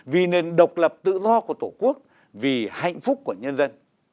vì nền độc lập tự do của tổ quốc vì hạnh phúc của nhân dân